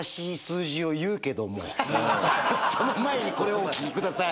その前にこれをお聞きください。